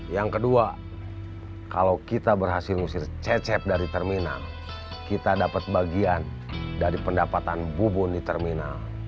yang kedua kalau kita berhasil mengusir cecep dari terminal kita dapat bagian dari pendapatan bubun di terminal